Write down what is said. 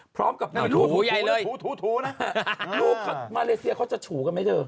พร้อมกับมาเลเซียเขาจะถูกันไหมเธอ